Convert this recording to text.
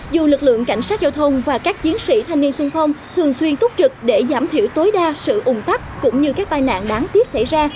dù lực lượng cảnh sát giao thông và các chiến sĩ thanh niên sung phong thường xuyên túc trực để giảm thiểu tối đa sự ủng tắc cũng như các tai nạn đáng tiếc xảy ra